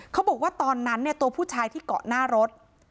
เขาบอกว่าตอนนั้นตัวผู้ชายที่เกาะหน้ารถ